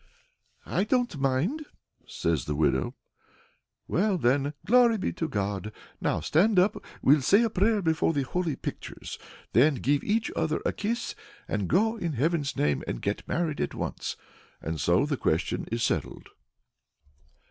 "I don't mind!" says the widow. "Well, then, glory be to God! Now, stand up, we'll say a prayer before the Holy Pictures; then give each other a kiss, and go in Heaven's name and get married at once!" And so the question is settled.